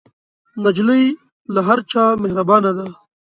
نجلۍ له هر چا مهربانه ده.